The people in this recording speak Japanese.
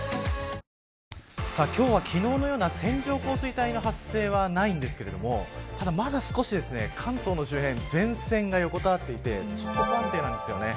今日は昨日のような線状降水帯の発生はないんですけどまだ少し、関東の周辺前線が横たわっていて不安定なんですよね。